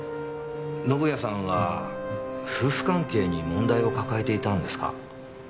宣也さんは夫婦関係に問題を抱えていたんですか？